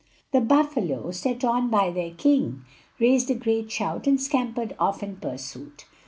The buffalo, set on by their king, raised a great shout and scampered off in pursuit.